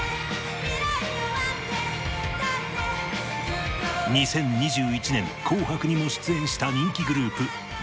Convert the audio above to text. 未来を待って立って２０２１年『紅白』にも出演した人気グループ